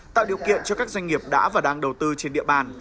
tạo điều kiện cho các doanh nghiệp đã và đang đầu tư trên địa bàn